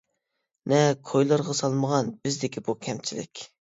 نە كويلارغا سالمىغان، بىزدىكى بۇ كەمچىلىك.